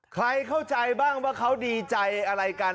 ใครเข้าใจบ้างว่าเขาดีใจอะไรกัน